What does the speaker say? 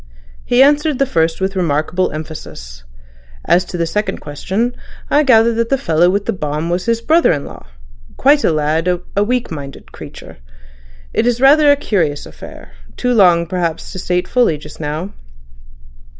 He answered the first with remarkable emphasis. As to the second question, I gather that the fellow with the bomb was his brother in law—quite a lad—a weak minded creature. ... It is rather a curious affair—too long perhaps to state fully just now."